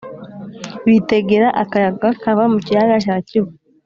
bitegera akayaga kava mukiyaga cya kivu,